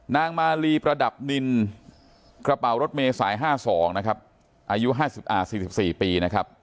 นางมาลีประดับนินกระเป๋ารถเมย์สาย๕๒นะครับอายุ๔๔ปีนะครับ